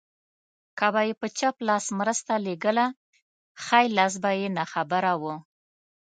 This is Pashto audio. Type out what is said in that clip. که به يې په چپ لاس مرسته لېږله ښی لاس به يې ناخبره و.